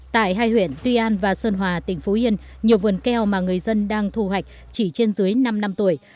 tại hai huyện tuy an và sơn hòa tỉnh phú yên nhiều vườn keo mà người dân đang thu hoạch chỉ trên dưới năm năm tuổi